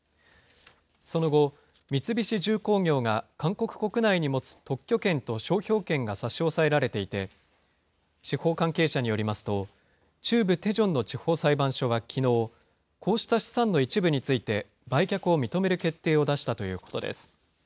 その後、三菱重工業が韓国国内に持つ特許権と商標権が差し押さえられていて、司法関係者によりますと、中部テジョンの地方裁判所はきのう、こうした資産の一部について、売却を認める決定を出したということです。